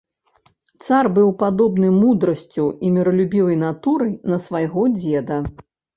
Цар быў падобны мудрасцю і міралюбівай натурай на свайго дзеда.